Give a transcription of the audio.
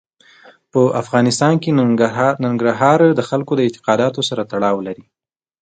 په افغانستان کې ننګرهار د خلکو د اعتقاداتو سره تړاو لري.